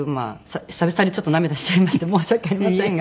久々でちょっと涙しちゃいまして申し訳ありませんが。